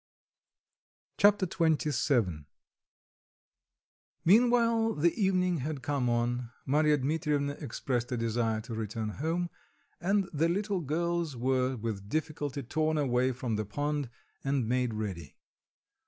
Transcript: Chapter XXVII Meanwhile the evening had come on, Marya Dmitrievna expressed a desire to return home, and the little girls were with difficulty torn away from the pond, and made ready.